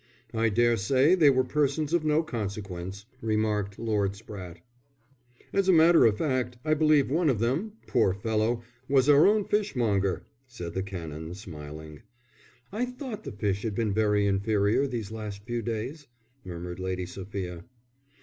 "I daresay they were persons of no consequence," remarked Lord Spratte. "As a matter of fact, I believe one of them, poor fellow! was our own fish monger," said the Canon, smiling. "I thought the fish had been very inferior these last few days," murmured Lady Sophia.